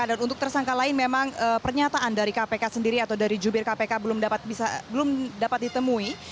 dan untuk tersangka lain memang pernyataan dari kpk sendiri atau dari jubir kpk belum dapat ditemui